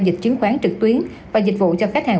để thu hút khách mua sắm